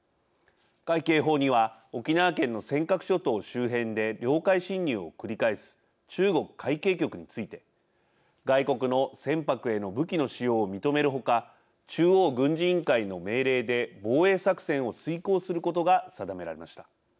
海警法には沖縄県の尖閣諸島周辺で領海侵入を繰り返す中国海警局について外国の船舶への武器の使用を認める他中央軍事委員会の命令で防衛作戦を遂行することが定められました。